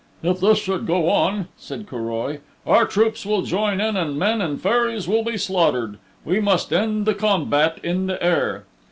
"If this should go on," said Curoi, "our troops will join in and men and Fairies will be slaughtered. We must end the combat in the air."